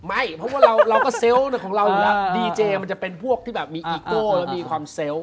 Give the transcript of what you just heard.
ไม่เพราะว่าเราก็เซลล์ของเราครับดีเจมันจะเป็นพวกที่มีอิโก้มีความเซลล์